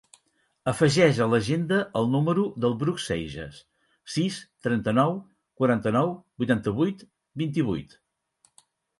Afegeix a l'agenda el número del Bruc Seijas: sis, trenta-nou, quaranta-nou, vuitanta-vuit, vint-i-vuit.